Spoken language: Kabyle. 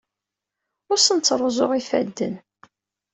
Ur asen-ttruẓuɣ ifadden.